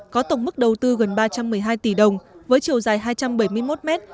có tổng mức đầu tư gần ba trăm một mươi hai tỷ đồng với chiều dài hai trăm bảy mươi một m